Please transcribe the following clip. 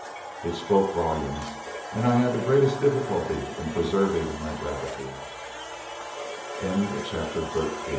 It spoke volumes, and I had the greatest difficulty in preserving my gravity." CHAPTER XIV NEW DEVELOPM